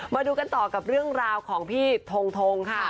มาดูกันต่อกับเรื่องราวของพี่ทงทงค่ะ